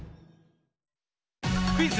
クイズ